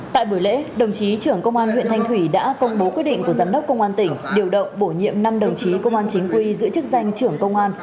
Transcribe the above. tại buổi lễ đồng chí trưởng công an huyện thanh thủy đã công bố quyết định của giám đốc công an tỉnh điều động bổ nhiệm năm đồng chí công an chính quy giữ chức danh trưởng công an